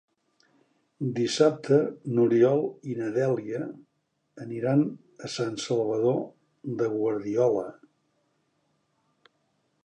Dissabte n'Oriol i na Dèlia aniran a Sant Salvador de Guardiola.